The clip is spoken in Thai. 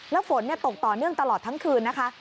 แล้วฝนตกต่อเนื่องตลอดทั้งคืนนะคะ